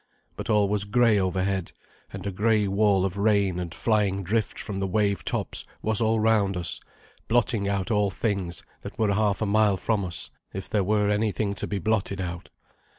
But all was grey overhead, and a grey wall of rain and flying drift from the wave tops was all round us, blotting out all things that were half a mile from us, if there were anything to be blotted out.